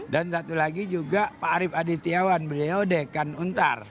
dan satu lagi juga pak arief adistiawan beliau dekan untar